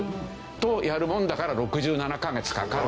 とやるもんだから６７カ月かかるんですよ。